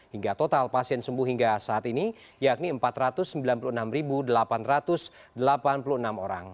hingga total pasien sembuh hingga saat ini yakni empat ratus sembilan puluh enam delapan ratus delapan puluh enam orang